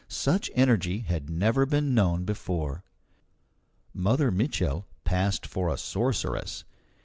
Such energy had never been known before. Mother Mitchel passed for a sorceress.